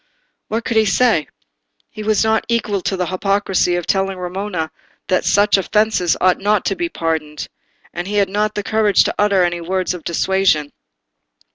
What could he say? He was not equal to the hypocrisy of telling Romola that such offences ought not to be pardoned; and he had not the courage to utter any words of dissuasion.